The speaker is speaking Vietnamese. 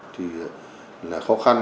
thì là khó khăn